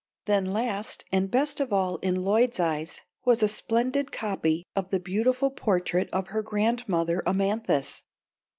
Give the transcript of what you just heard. Then last and best of all in Lloyd's eyes was a splendid copy of the beautiful portrait of her grandmother Amanthis.